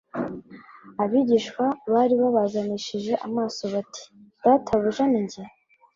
Abigishwa bari babazanishije amaso bati: "Databuja ninjye?"